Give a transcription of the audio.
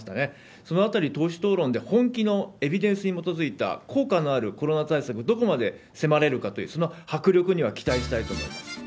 そのあたり、党首討論で本気のエビデンスに基づいた効果のあるコロナ対策をどこまで迫れるかという、その迫力には期待したいと思います。